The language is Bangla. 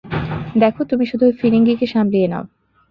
দেখো, তুমি শুধু ঐ ফিরিঙ্গি কে সামলিয়ে নেও।